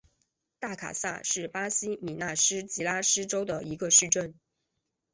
大卡萨是巴西米纳斯吉拉斯州的一个市镇。